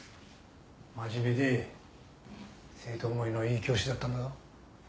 真面目で生徒思いのいい教師だったんだよ。